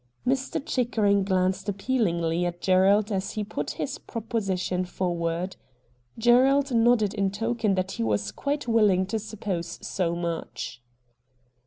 Mr. Chickering glanced appealingly at Gerald as he put this proposition forward. Gerald nodded in token that he was quite willing to suppose so much.